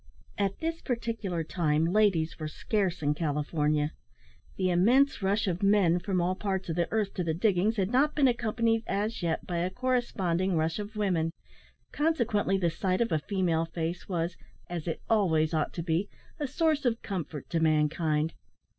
At this particular time, ladies were scarce in California. The immense rush of men from all parts of the earth to the diggings had not been accompanied as yet by a corresponding rush of women, consequently the sight of a female face was, as it always ought to be, a source of comfort to mankind.